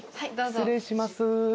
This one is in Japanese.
失礼します。